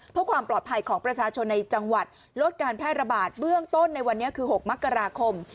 เพื่อความปลอดภัยของประชาชนในจังหวัดลดการแพร่ระบาดเบื้องต้นในวันนี้คือ๖มกราคม